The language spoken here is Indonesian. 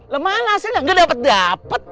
lu mana sih nggak dapat dapat